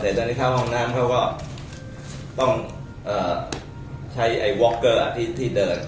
แต่ตอนนี้เข้าห้องน้ำเขาก็ต้องเอ่อใช้ไอวอร์เกอร์อ่ะที่ที่เดิน